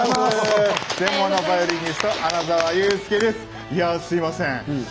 すみません。